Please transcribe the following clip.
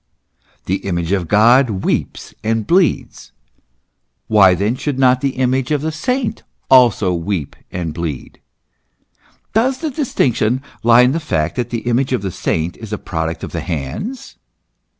The Image of God weeps and bleeds ; why then should not the image of a saint also weep and bleed ? Does the distinction lie in the fact that the image of the saint is a product of the hands